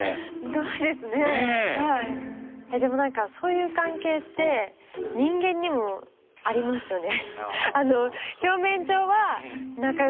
でも何かそういう関係って人間にもありますよね。